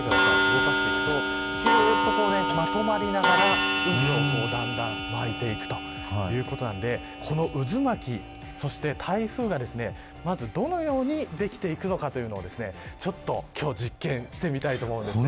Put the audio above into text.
動かしていくときゅっとまとまりながら渦をだんだん巻いていくということなんでこの渦巻き、そして台風がまず、どのようにできていくのかというのをちょっと、今日実験していきたいと思います。